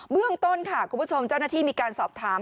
เรื่องต้นค่ะคุณผู้ชมเจ้าหน้าที่มีการสอบถาม